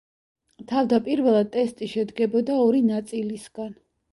თავდაპირველად ტესტი შედგებოდა ორი ნაწილისგან.